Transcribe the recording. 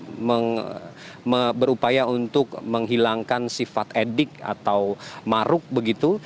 di mana masing masing lembaga ini sama sama juga berupaya untuk menghilangkan sifat edik atau maruk begitu